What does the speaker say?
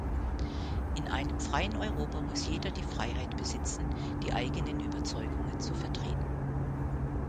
In einem freien Europa muss jeder die Freiheit besitzen, die eigenen Überzeugungen zu vertreten.